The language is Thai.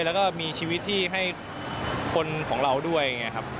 แล้วก็มีชีวิตที่ให้คนของเราด้วยอย่างนี้ครับ